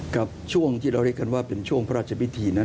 กับช่วงที่เราเรียกกันว่าเป็นช่วงพระราชพิธีนั้น